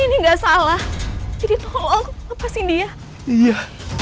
mengenal saja aku tidak chill saya